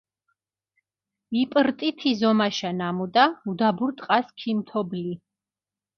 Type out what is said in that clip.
იპრტი თი ზომაშა ნამუდა, უდაბურ ტყას ქიმთობლი.